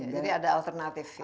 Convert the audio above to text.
jadi ada alternative ya